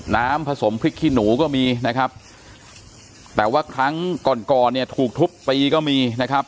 น้ำผสมพริกขี้หนูก็มีแต่ว่าครั้งก่อนถูกทุบปีก็มีนะครับ